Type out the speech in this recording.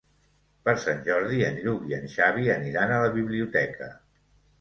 Per Sant Jordi en Lluc i en Xavi aniran a la biblioteca.